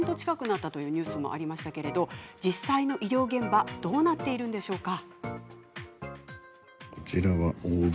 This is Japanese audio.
なったというニュースもありましたけれど実際の医療現場どうなっているんでしょうか。